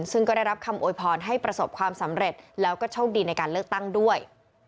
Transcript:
ซึ่งก็ได้รับคำโวยพรให้ประสบความสำเร็จแล้วก็โชคดีในการเลือกตั้งด้วย